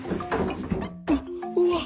「うっうわ。